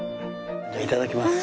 いただきます。